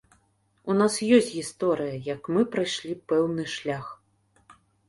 У нас ёсць гісторыя, як мы прайшлі пэўны шлях.